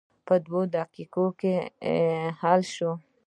په دوه دقیقو کې حل شوه.